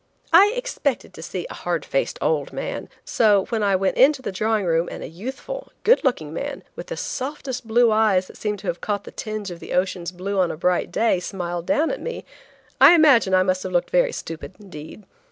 I expected to see a hard faced old man; so, when I went into the drawing room and a youthful, good looking man, with the softest blue eyes that seemed to have caught a tinge of the ocean's blue on a bright day, smiled down at me, I imagine I must have looked very stupid indeed.